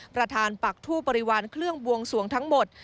ประธานปักทูบริวารเครื่องบวงสวงทั้งหมด